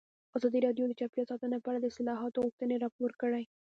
ازادي راډیو د چاپیریال ساتنه په اړه د اصلاحاتو غوښتنې راپور کړې.